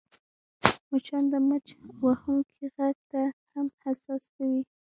مچان د مچ وهونکي غږ ته هم حساس نه وي